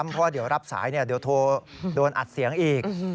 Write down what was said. เพราะเดี๋ยวรับสายเดี๋ยวโทรโดนอัดเสียงอีก